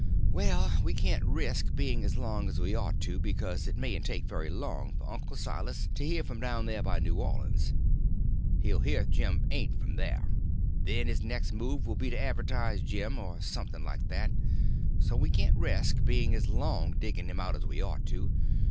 "Well, we can't resk being as long as we ought to, because it mayn't take very long for Uncle Silas to hear from down there by New Orleans. He'll hear Jim ain't from there. Then his next move will be to advertise Jim, or something like that. So we can't resk being as long digging him out as we ought to.